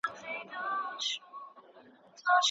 ننګرهار کې ښايسته باران وريږي او ډير ښکلی موسم دی.